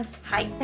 はい。